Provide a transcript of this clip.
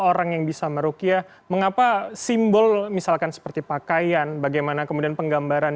orang yang bisa merukiah mengapa simbol misalkan seperti pakaian bagaimana kemudian penggambaran